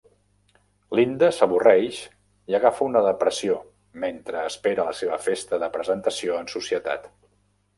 Linda s'avorreix i agafa una depressió mentre espera la seva festa de presentació en societat.